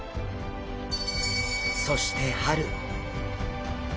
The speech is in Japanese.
そして春。